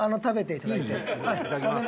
いただきます。